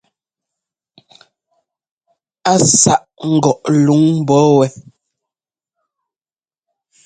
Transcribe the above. Á sâʼ ŋgɔʼ luŋ mbɔ̌ wɛ.